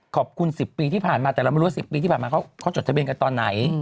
ขอบคุณ๑๐ปีที่ผ่านมาแต่เราไม่รู้ว่า๑๐ปีที่ผ่านมาเขาจดทะเบียนกันตอนไหน